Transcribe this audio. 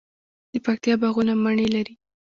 د پکتیا باغونه مڼې لري.